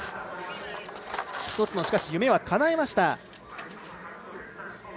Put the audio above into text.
１つの夢はかないました。